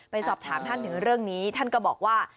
สอบถามท่านถึงเรื่องนี้ท่านก็บอกว่า